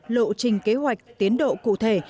lộ trình kế hoạch tiến độ cụ thể